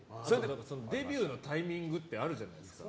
デビューのタイミングってあるじゃないですか。